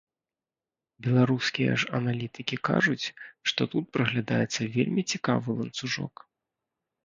Беларускія ж аналітыкі кажуць, што тут праглядаецца вельмі цікавы ланцужок.